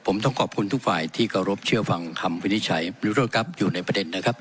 ผมต้องขอบคุณทุกฝ่ายที่เคารพเชื่อฟังคำวินิจฉัยวิโรธครับอยู่ในประเด็นนะครับ